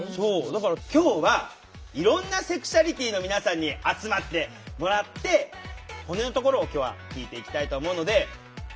だから今日はいろんなセクシュアリティーの皆さんに集まってもらって本音のところを今日は聞いていきたいと思うので。